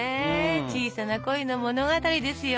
小さな恋の物語ですよ。